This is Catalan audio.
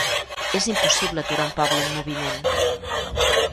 És impossible aturar un poble en moviment.